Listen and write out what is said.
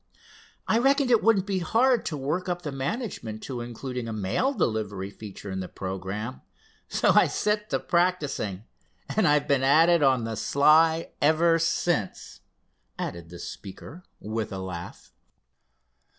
I reckoned it wouldn't be hard to work up the management to including a mail delivery feature in the programme, so I set to practicing. And I've been at it on the sly ever since," added the speaker with a laugh.